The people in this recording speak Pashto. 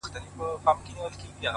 هغه و تورو غرونو ته رويا وايي’